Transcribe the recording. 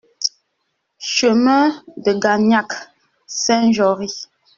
CHEMIN DE GAGNAC, Saint-Jory